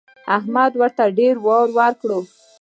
احمد ورته ډېر وار وکړ.